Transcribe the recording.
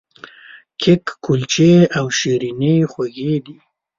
کیک، کلچې او شیریني خوږې دي.